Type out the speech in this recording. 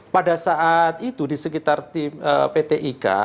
pada saat itu di sekitar tim pt ika